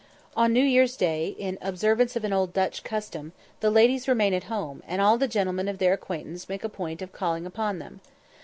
On New Year's Day, in observance of an old Dutch custom, the ladies remain at home, and all the gentlemen of their acquaintance make a point of calling upon them.